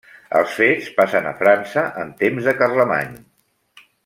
Els fets passen a França en temps de Carlemany.